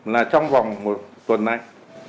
là trong vòng một tuần này